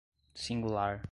singular